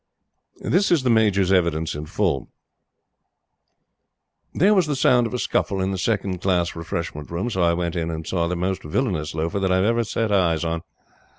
This is the Major's evidence in full: "There was the sound of a scuffle in the second class refreshment room, so I went in and saw the most villainous loafer that I ever set eyes on.